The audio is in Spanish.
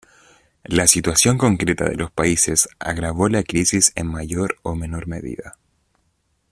La situación concreta de los países agravó la crisis en mayor o menor medida.